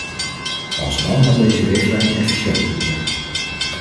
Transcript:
Pas dan had deze richtlijn efficiënt kunnen zijn.